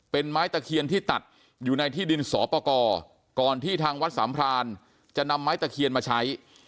เป็นไม้ตะเคียนที่ตัดอยู่ในที่ดินสอปกรก่อนที่ทางวัดสามพรานจะนำไม้ตะเคียนมาใช้